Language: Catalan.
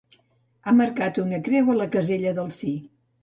Ha marcat una creu a la casella del sí.